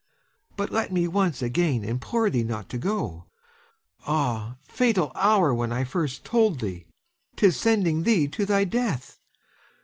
But let me once again implore thee not to go. Ah, fatal hour when first I told thee! 'Tis sending thee to thy death!